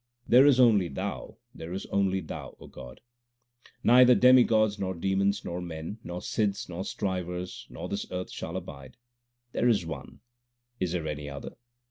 There is only Thou, there is only Thou, O God ! Neither demigods, nor demons, nor men, Nor Sidhs, nor Strivers, nor this earth shall abide. There is One ; is there any other